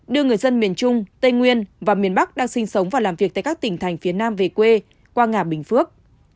đưa người dân miền trung tây nguyên và miền bắc đang sinh sống và làm việc tại các tỉnh thành phía nam về quê qua nga bình phước